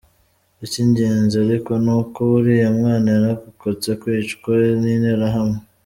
Icy’ingenzi ariko ni uko uriya mwana yarokotse kwicwa n’Interahamwe.